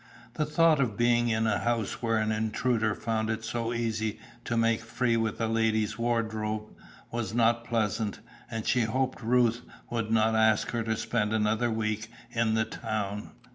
The thought of being in a house where an intruder found it so easy to make free with a lady's wardrobe, was not pleasant, and she hoped Ruth would not ask her to spend another week in the town.